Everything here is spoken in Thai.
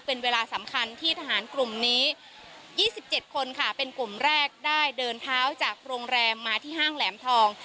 เป็นเวลาสำคัญที่ทหารกลุ่มนี้๒๗คนค่ะเป็นกลุ่มแรกได้เดินเท้าจากโรงแรมมาที่ห้างแหลมทอง